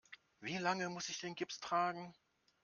Wie lange muss ich den Gips tragen?